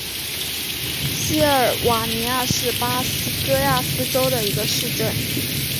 锡尔瓦尼亚是巴西戈亚斯州的一个市镇。